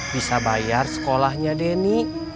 bisa bayar sekolahnya denny